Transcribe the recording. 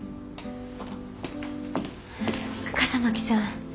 笠巻さん。